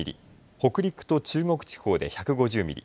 北陸と中国地方で１５０ミリ